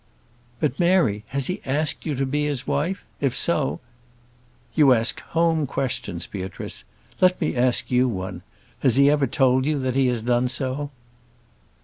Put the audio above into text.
"But, Mary, has he asked you to be his wife? If so " "You ask home questions, Beatrice. Let me ask you one; has he ever told you that he has done so?"